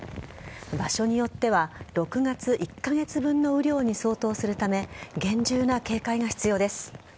場所によっては６月１カ月分の雨量に相当するため厳重な警戒が必要です。